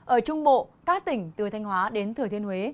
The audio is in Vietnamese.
ở trung bộ các tỉnh từ thanh hóa đến thừa thiên huế